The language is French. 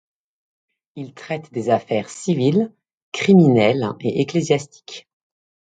Il traite des affaires civiles, criminelles et ecclésiastiques.